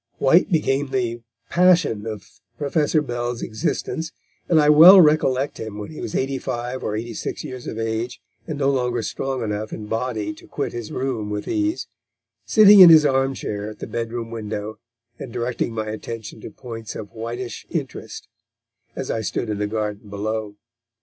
White became the passion of Professor Bell's existence, and I well recollect him when he was eighty five or eighty six years of age, and no longer strong enough in body to quit his room with ease, sitting in his arm chair at the bedroom window, and directing my attention to points of Whiteish interest, as I stood in the garden below.